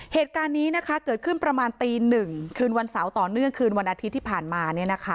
เหตุการณ์นี้เกิดขึ้นประมาณตี๑คืนวันเสาร์ต่อเนื่องคืนวันอาทิตย์ที่ผ่านมา